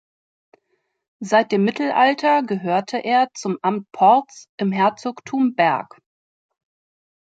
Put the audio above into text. Seit dem Mittelalter gehörte er zum Amt Porz im Herzogtum Berg.